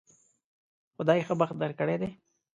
خدای ښه بخت درکړی دی